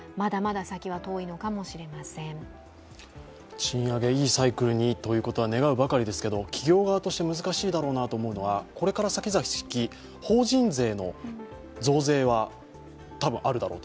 賃上げ、いいサイクルにということは願うばかりですけど企業側として難しいだろうなと思うのは、これからさきざき法人税の増税は多分あるだろうと。